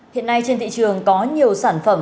hiện nay trên thị trường có nhiều sản phẩm